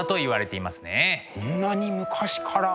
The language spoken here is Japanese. こんなに昔から。